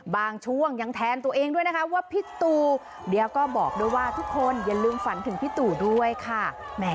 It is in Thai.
บางช่วงยังแทนตัวเองด้วยนะคะว่าพี่ตูเดี๋ยวก็บอกด้วยว่าทุกคนอย่าลืมฝันถึงพี่ตูด้วยค่ะ